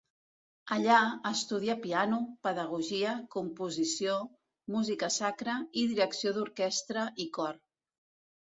Allà estudia piano, pedagogia, composició, música sacra i direcció d'orquestra i cor.